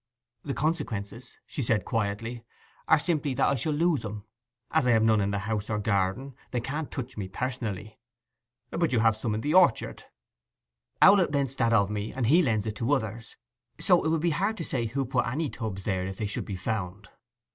'The consequences,' she said quietly, 'are simply that I shall lose 'em. As I have none in the house or garden, they can't touch me personally.' 'But you have some in the orchard?' 'Owlett rents that of me, and he lends it to others. So it will be hard to say who put any tubs there if they should be found.